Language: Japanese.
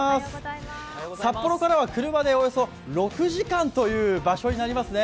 札幌からは車でおよそ６時間という場所になりますね。